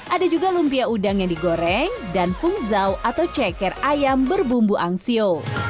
ada juga lumpia udang yang digoreng dan fungzau atau ceker ayam berbumbu angsio